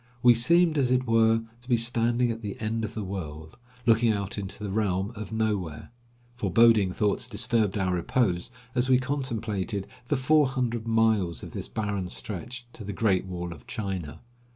We seemed, as it were, to be standing at the end of the world, looking out into the realm of nowhere. Foreboding thoughts disturbed our repose, as we contemplated the four hundred miles of this barren stretch to the Great Wall of China.